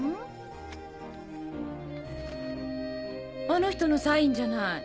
あの人のサインじゃない。